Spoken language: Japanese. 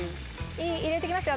入れていきますよ